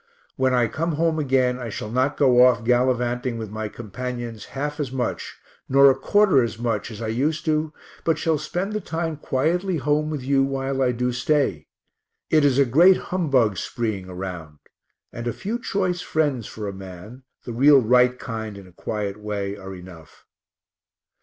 When I come home again, I shall not go off gallivanting with my companions half as much nor a quarter as much as I used to, but shall spend the time quietly home with you while I do stay; it is a great humbug spreeing around, and a few choice friends for a man, the real right kind in a quiet way, are enough.